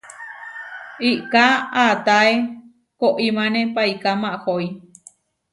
Iʼká aatáe koʼimáne paiká mahói.